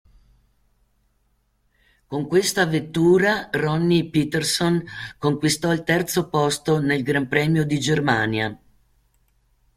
Con questa vettura Ronnie Peterson conquistò il terzo posto nel Gran Premio di Germania.